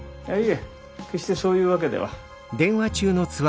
決してそういうわけでは。